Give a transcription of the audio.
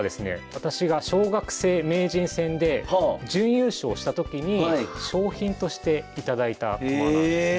私が小学生名人戦で準優勝した時に賞品として頂いたものなんですね。